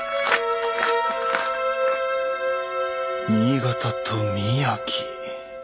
新潟と宮城。